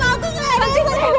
apa yang kamu lakukan